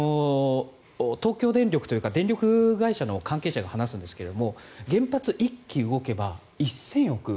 東京電力というか電力会社の関係者が話すんですけども原発１基動けば１０００億円